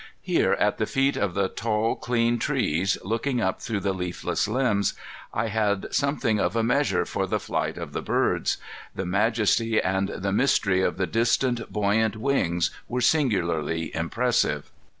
Here, at the feet of the tall, clean trees, looking up through the leafless limbs, I had something of a measure for the flight of the birds. The majesty and the mystery of the distant buoyant wings were singularly impressive.